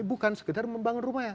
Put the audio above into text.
bukan sekedar membangun rumah yang